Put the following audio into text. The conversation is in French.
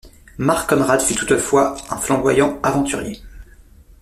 Mark Conrad fut autrefois un flamboyant aventurier.